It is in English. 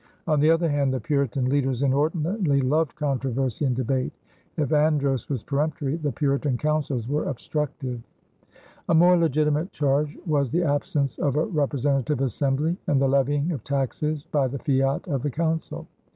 On the other hand the Puritan leaders inordinately loved controversy and debate. If Andros was peremptory, the Puritan councillors were obstructive. A more legitimate charge was the absence of a representative assembly and the levying of taxes by the fiat of the council.